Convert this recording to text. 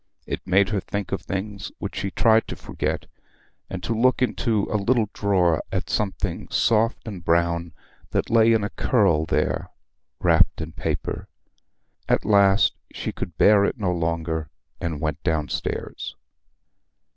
It made her think of things which she tried to forget, and to look into a little drawer at something soft and brown that lay in a curl there, wrapped in paper. At last she could bear it no longer, and went downstairs.